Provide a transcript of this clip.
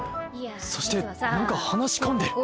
そしてなんか話し込んでる